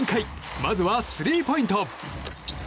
まずはスリーポイント。